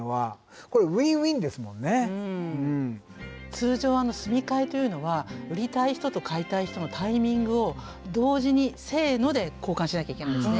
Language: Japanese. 通常住み替えというのは売りたい人と買いたい人のタイミングを同時に「せの」で交換しなきゃいけないんですね。